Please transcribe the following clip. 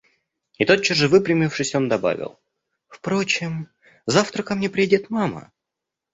– И, тотчас же выпрямившись, он добавил: – Впрочем, завтра ко мне приедет мама.